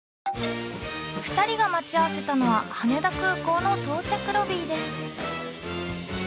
２人が待ち合わせたのは羽田空港の到着ロビーです。